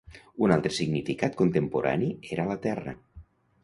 Un altre significat contemporani era la terra.